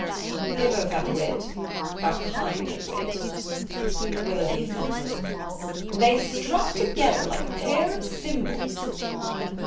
"They both have wit; a kind of wit," Willoughby assented. "They struck together like a pair of cymbals."